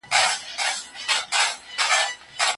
ابن خلدون صحرایي او ښاري ټولني تشریح کوي.